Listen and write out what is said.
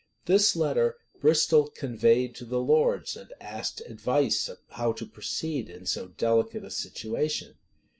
This letter Bristol conveyed to the lords, and asked advice how to proceed in so delicate a situation.